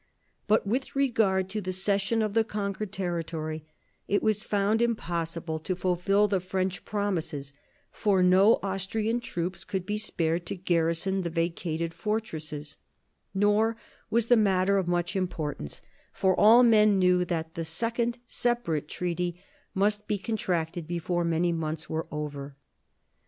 But with regard to the cession of the conquered territory it was found im possible to fulfil the French promises, for no Austrian troops could be spared to garrison the vacated fortresses ; nor was the matter of much importance, for all men 1760 63 THE SEVEN YEARS' WAR 183 knew that the second separate treaty must be contracted before many months were over.